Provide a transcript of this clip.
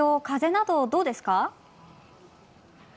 風など、どうですか？